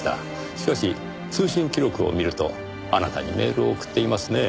しかし通信記録を見るとあなたにメールを送っていますねぇ。